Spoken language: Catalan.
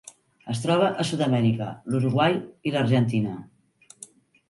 Es troba a Sud-amèrica: l'Uruguai i l'Argentina.